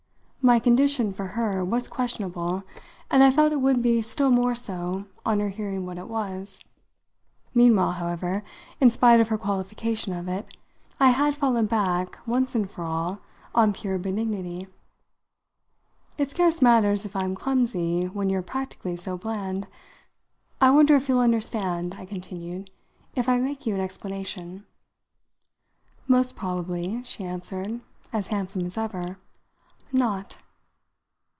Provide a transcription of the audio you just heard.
My condition, for her, was questionable, and I felt it would be still more so on her hearing what it was. Meanwhile, however, in spite of her qualification of it, I had fallen back, once and for all, on pure benignity. "It scarce matters if I'm clumsy when you're practically so bland. I wonder if you'll understand," I continued, "if I make you an explanation." "Most probably," she answered, as handsome as ever, "not."